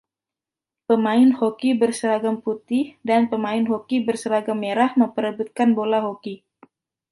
Pemain hoki berseragam putih dan pemain hoki berseragam merah memperebutkan bola hoki.